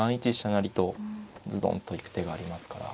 成とズドンと行く手がありますから。